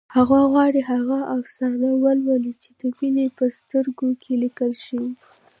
هغه غواړي هغه افسانه ولولي چې د مينې په سترګو کې لیکل شوې